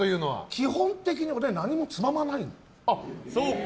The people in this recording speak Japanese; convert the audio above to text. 基本的に俺は何もつままない。